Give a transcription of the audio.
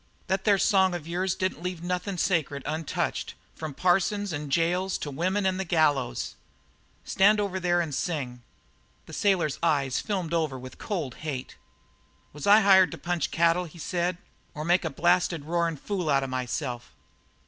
That there song of yours didn't leave nothin' sacred untouched, from parsons and jails to women and the gallows. Stand over there and sing." The eyes of the sailor filmed over with cold hate. "Was I hired to punch cattle," he said, "or make a blasted, roarin' fool out of myself?"